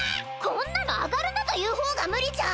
こんなの上がるなという方が無理じゃ。